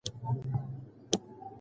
اخلاق روزل د کورنۍ د پلار یوه مسؤلیت ده.